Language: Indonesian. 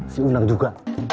si unang juga